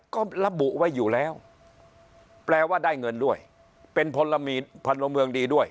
ก็ระบุไว้อยู่แล้วแปลว่าได้เงินด้วยเป็นพลมีพลเมืองดีด้วย